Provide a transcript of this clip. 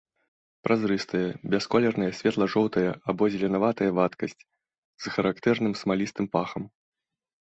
Празрыстая, бясколерная, светла-жоўтая або зеленаватая вадкасць з характэрным смалістым пахам.